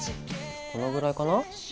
このぐらいかな？